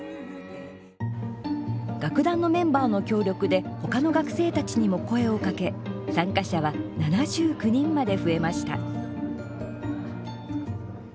楽団のメンバーの協力で他の学生たちにも声をかけ参加者は７９人まで増えました。